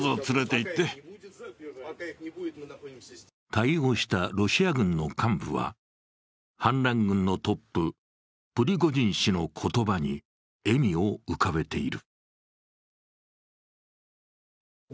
対応したロシア軍の幹部は反乱軍のトップ、プリゴジン氏の言葉に笑みを浮かべている。